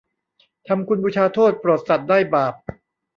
ทำคุณบูชาโทษโปรดสัตว์ได้บาป